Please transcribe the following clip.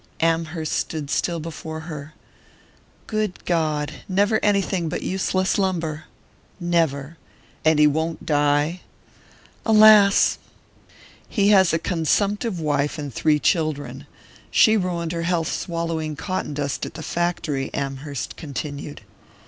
Amherst stood still before her. "Good God! Never anything but useless lumber?" "Never " "And he won't die?" "Alas!" "He has a consumptive wife and three children. She ruined her health swallowing cotton dust at the factory," Amherst continued.